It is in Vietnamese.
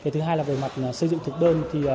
thứ hai là về mặt xây dựng thực đơn